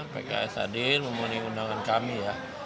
pks hadir memenuhi undangan kami ya